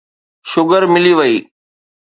Sugar ملي وئي.